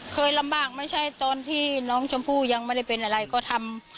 เคยลำบากไม่ใช่ตอนที่น้องชมพู่ยังไม่ได้เป็นอะไรก็ทำ